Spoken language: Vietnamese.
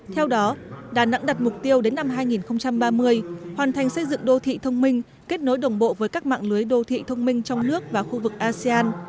theo đó đà nẵng đặt mục tiêu đến năm hai nghìn ba mươi hoàn thành xây dựng đô thị thông minh kết nối đồng bộ với các mạng lưới đô thị thông minh trong nước và khu vực asean